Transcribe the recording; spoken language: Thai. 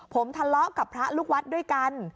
ผมทะเลาะกับพระลูกวัดด้วยกัน